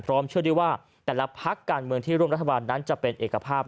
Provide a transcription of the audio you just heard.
เชื่อได้ว่าแต่ละพักการเมืองที่ร่วมรัฐบาลนั้นจะเป็นเอกภาพ